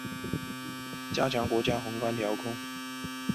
中间三跟手指与四个脚趾呈蹄状。